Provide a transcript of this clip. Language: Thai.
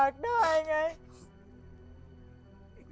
แต่มึงไม่อยากได้ไง